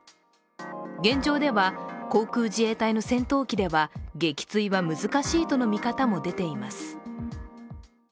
現状では、航空自衛隊の戦闘機では撃墜は難しいとの見方も出ています。